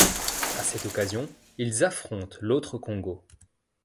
À cette occasion, ils affrontent l'autre Congo.